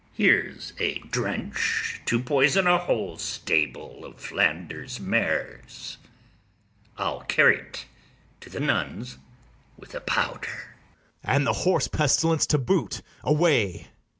ITHAMORE. Here's a drench to poison a whole stable of Flanders mares: I'll carry't to the nuns with a powder. BARABAS. And the horse pestilence to boot: away!